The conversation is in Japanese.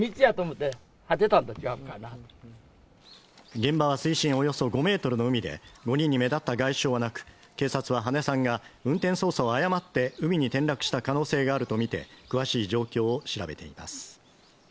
現場は水深およそ５メートルの海で５人に目立った外傷はなく警察は羽根さんが運転操作を誤って海に転落した可能性があるとみて詳しい状況を調べています